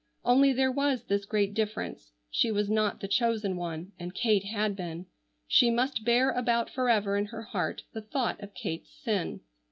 Only there was this great difference. She was not the chosen one, and Kate had been. She must bear about forever in her heart the thought of Kate's sin.